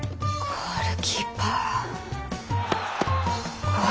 ゴールキーパー。